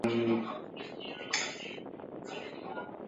各州除罗德岛外都同意委派代表与会。